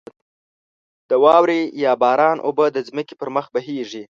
د واورې یا باران اوبه د ځمکې پر مخ بهېږې.